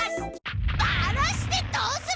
ばらしてどうする！？